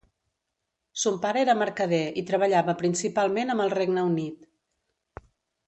Son pare era mercader i treballava principalment amb el Regne Unit.